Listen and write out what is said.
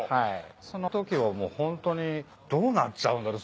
その時はもうホントにどうなっちゃうんだろう。